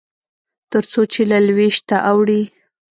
تر څو چې له لوېشته اوړي.